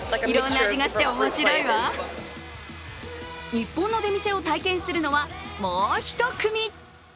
ニッポンの出店を体験するのはもう１組。